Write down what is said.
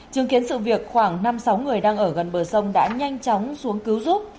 chứng kiến sự việc khoảng năm sáu người đang ở gần bờ sông đã nhanh chóng xuống cứu giúp